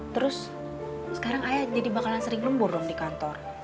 terus sekarang ayah jadi bakalan sering lembur dong di kantor